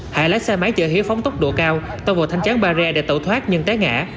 hải lấy xe máy chở hiếu phóng tốc độ cao tăng vào thanh chán barrier để tẩu thoát nhưng té ngã